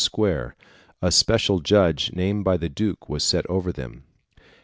] Square, a special judge named by the duke was set over them.